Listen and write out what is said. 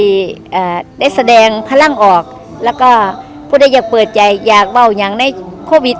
อ่าได้แสดงพลังออกแล้วก็พูดได้อยากเปิดใจอยากเบาอย่างในโควิด